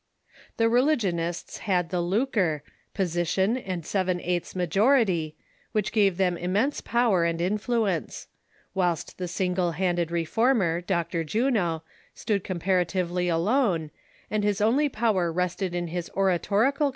The religionists liad the Zwcz e, position and seven eighths majority, which gave them immense power and influence ; whilst the single handed reformer— Dr. Juno— stood com paratively alone, and his only power rested in his oratorical THE CONSPIKATOES AND LOVERS.